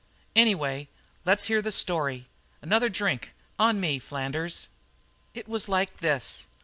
"Anyway, let's hear the story. Another drink on me, Flanders." "It was like this.